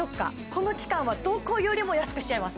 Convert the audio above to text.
この期間はどこよりも安くしちゃいます